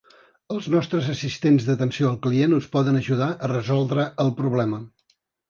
Els nostres assistents d'atenció al client us poden ajudar a resoldre el problema.